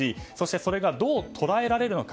、それがどう捉えられるのか。